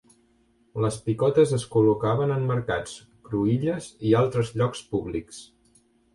Les picotes es col·locaven en mercats, cruïlles i altres llocs públics.